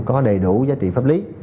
có đầy đủ giá trị pháp lý